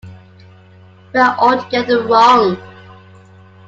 We are altogether wrong.